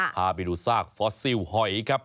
พาไปดูซากฟอสซิลหอยครับ